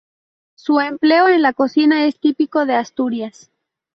Su empleo en la cocina es típico de Asturias.